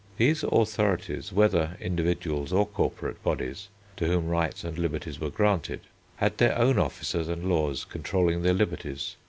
These authorities, whether individuals or corporate bodies, to whom rights and liberties were granted, had their own officers and laws controlling their liberties.